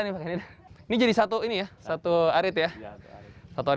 ini jadi satu arit ya